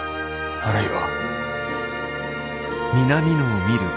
あるいは。